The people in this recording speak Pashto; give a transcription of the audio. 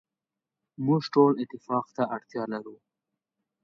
موږ ټول اتفاق ته اړتیا لرو.